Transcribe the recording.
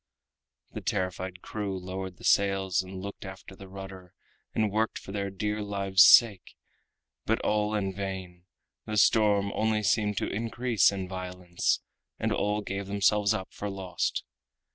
The terrified crew lowered the sails and looked after the rudder, and worked for their dear lives' sake, but all in vain—the storm only seemed to increase in violence, and all gave themselves up for lost.